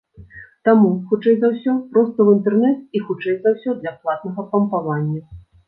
Таму, хутчэй за ўсё, проста ў інтэрнэт і, хутчэй за ўсё, для платнага пампавання.